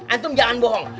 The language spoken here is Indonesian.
antum jangan bohong